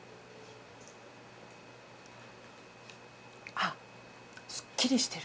あすっきりしてる。